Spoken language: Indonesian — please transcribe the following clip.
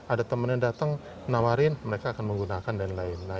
ada teman yang datang menawarkan mereka akan menggunakan dan lain lain